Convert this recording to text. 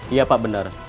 iya pak bener